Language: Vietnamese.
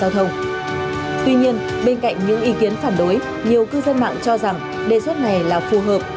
tuy nhiên bên cạnh những ý kiến phản đối nhiều cư dân mạng cho rằng đề xuất này là phù hợp